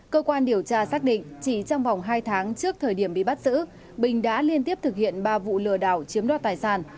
cơ quan điều tra xác định chỉ trong vòng hai tháng trước thời điểm bị bắt giữ bình đã liên tiếp thực hiện ba vụ lừa đảo chiếm đoạt tài sản